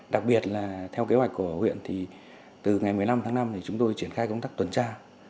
đặc biệt là theo kế hoạch của huyện thì từ ngày một mươi năm tháng năm thì chúng tôi triển khai công tác tuần tra